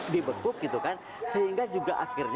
dibekuk gitu kan sehingga juga akhirnya